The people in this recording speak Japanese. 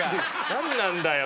何なんだよ。